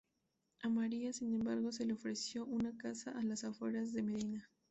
A María, sin embargo, se le ofreció una casa a las afueras de Medina.